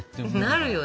なるよね。